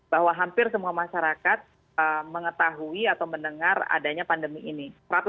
bahwa hampir semua masyarakat mengetahui atau mendengar adanya pandemi ini